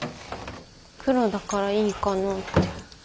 黒だからいいかなって。